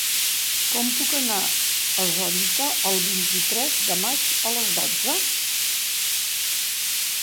Com puc anar a Sorita el vint-i-tres de maig a les dotze?